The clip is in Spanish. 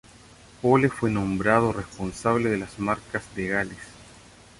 Pole fue nombrado responsable de las marcas de Gales.